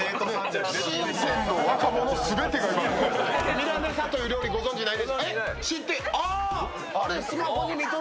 ミラネサという料理、ご存じの方！